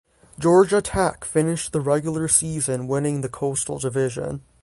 Georgia Tech finished the regular season winning the Coastal Division.